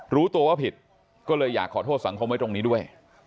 รู้ตัวว่าผิดก็เลยอยากขอโทษสังคมไว้ตรงนี้ด้วย